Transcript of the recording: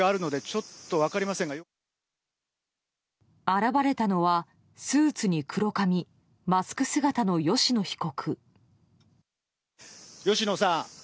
現れたのは、スーツに黒髪マスク姿の吉野被告。